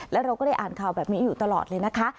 แล้วเราก็ได้อ่านข่าวแบบนี้อยู่ตลอดเลยนะคะ